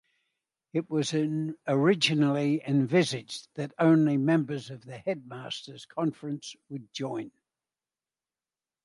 It was originally envisaged that only members of the Headmasters Conference would join.